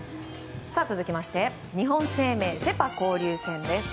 続きまして日本生命セ・パ交流戦です。